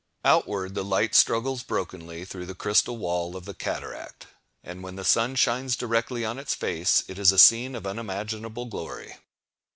Outward the light struggles brokenly through the crystal wall of the cataract; and when the sun shines directly on its face, it is a scene of unimaginable glory.